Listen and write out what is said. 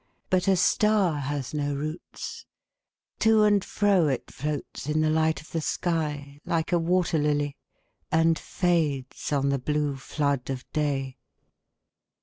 'But a star has no roots : to and fro It floats in the light of the sky, like a wat«r ]ily. And fades on the blue flood of day.